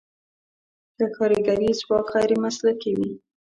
که کارګري ځواک غیر مسلکي وي.